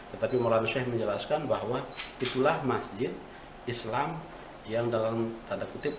tetapi mulan sheikh menjelaskan bahwa itulah masjid islam yang dalam tanda kutip